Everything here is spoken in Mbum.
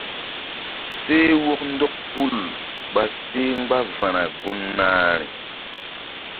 Seh wɔk ndɔk hul ɓa seh mgba va̧na gun nahi.